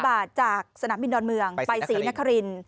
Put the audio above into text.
บาทจากสนามบินดอนเมืองไปศรีนคริน